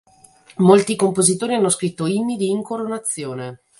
Molti compositori hanno scritto inni di incoronazione.